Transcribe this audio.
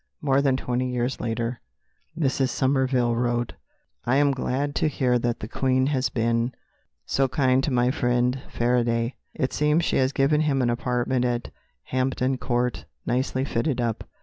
More than twenty years later Mrs. Somerville wrote, "I am glad to hear that the Queen has been so kind to my friend Faraday. It seems she has given him an apartment at Hampton Court, nicely fitted up.